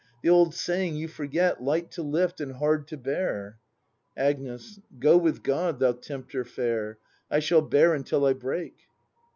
The old saying you forget. Light to lift and hard to bear. Agnes. Go with God, thou tempter fair; I shall bear until I break.